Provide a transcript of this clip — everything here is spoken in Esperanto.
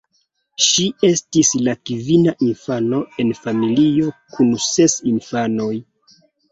Ŝi estis la kvina infano en familio kun ses infanoj.